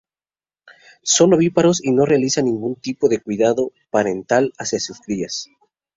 Son ovíparos y no realizan ningún tipo de cuidado parental hacia sus crías.